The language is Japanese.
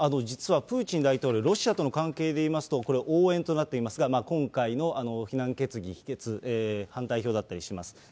実はプーチン大統領、ロシアとの関係で言いますと、これ、応援となっていますが、今回の非難決議否決、反対票だったりします。